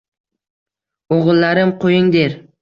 O‘g‘illarim, qo‘ying, der.